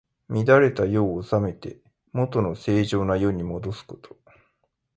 乱れた世を治めて、もとの正常な世にもどすこと。